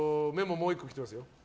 もう１個来てますよ。